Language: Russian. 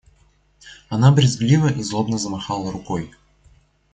Она брезгливо и злобно замахала рукой.